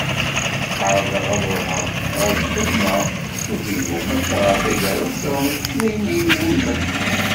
Ɛerḍeɣ ad ruḥeɣ ɣer lxedma s uvilu maca ɣer tagara ufiɣ mačči d ayen i y-iwulmen.